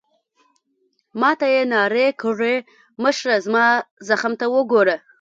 ما ته يې رانارې کړې: مشره، زما زخم ته وګوره.